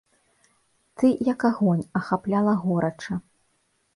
Ты, як агонь, ахапляла горача.